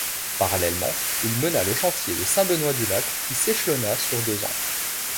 Parallèlement, il mena le chantier de Saint-Benoît-du-Lac, qui s’échelonna sur deux ans.